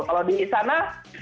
kalau di sana